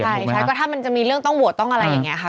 ใช่ใช่ก็ถ้ามันจะมีเรื่องต้องโหวตต้องอะไรอย่างนี้ค่ะ